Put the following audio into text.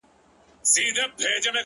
• نن: سیاه پوسي ده ـ